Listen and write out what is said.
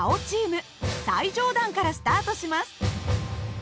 最上段からスタートします。